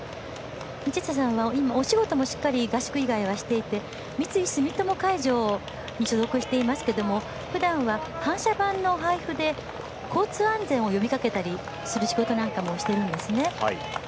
道下さんはお仕事も合宿以外はしていて三井住友海上に所属していますけれどもふだんは反射板の配布で交通安全を呼びかけたりする仕事なんかもしているんですね。